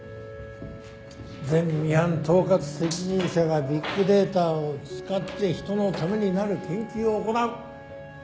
前ミハン統括責任者がビッグデータを使って人のためになる研究を行う。